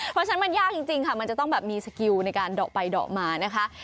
เพราะฉะนั้นมันยากจริงค่ะมันจะต้องแบบมีสกิลในการเดาะไปเดาะมานะคะ